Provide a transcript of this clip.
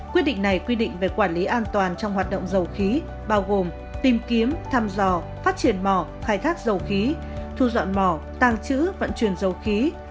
quyết định này quy định về quản lý an toàn trong hoạt động dầu khí bao gồm tìm kiếm thăm dò phát triển mỏ khai thác dầu khí thu dọn mỏ tàng trữ vận chuyển dầu khí